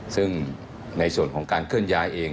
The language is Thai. ซึ่งในส่วนของการเคลื่อนย้ายเอง